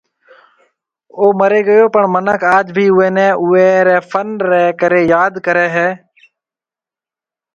او مري گيو پڻ منک آج بِي اوئي ني اوئي ري فن ري ڪري ياد ڪري ھيَََ